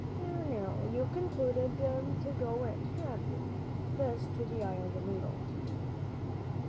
"There, now you've concluded to go in, have you?" this to the eye of the needle.